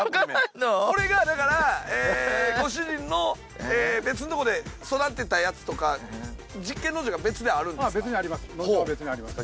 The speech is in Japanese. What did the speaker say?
これがだからご主人の別のとこで育てたやつとか実験農場が別であるんですか？